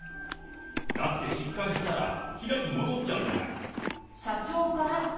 だって失冠したら平に戻っちゃうじゃない。